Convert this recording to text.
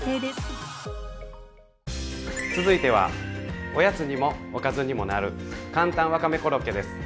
続いてはおやつにもおかずにもなるかんたんわかめコロッケです。